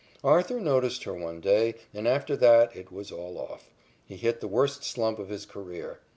Arthur noticed her one day and, after that, it was all off. He hit the worst slump of his career.